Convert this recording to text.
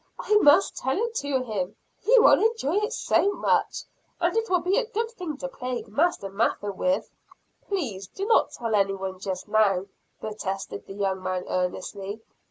I must tell it to him he will enjoy it so much. And it will be a good thing to plague Master Mather with." "Please do not tell anyone just now," protested the young man earnestly.